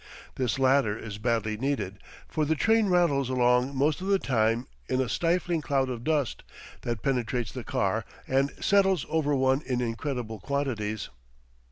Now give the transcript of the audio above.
This latter is badly needed, for the train rattles along most of the time in a stifling cloud of dust, that penetrates the car and settles over one in incredible quantities.